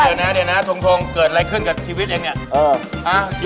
เดี๋ยวนะเดี๋ยวนะทงเกิดอะไรขึ้นกับชีวิตเองเนี่ย